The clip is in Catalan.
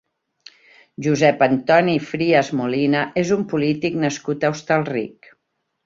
Josep Antoni Frías Molina és un polític nascut a Hostalric.